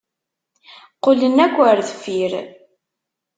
Qqlen akk ar deffir.